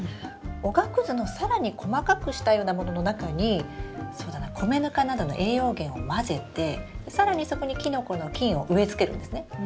おがくずの更に細かくしたようなものの中にそうだな米ぬかなどの栄養源を混ぜて更にそこにキノコの菌を植えつけるんですね。